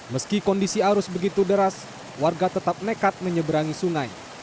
meski kondisi arus begitu deras warga tetap nekat menyeberangi sungai